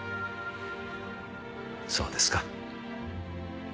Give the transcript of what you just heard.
そうですか。